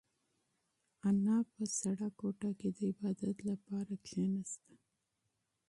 انا په یخه کوټه کې د عبادت لپاره کښېناسته.